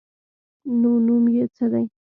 _نو نوم يې څه دی؟